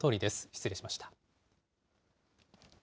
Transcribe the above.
失礼しました。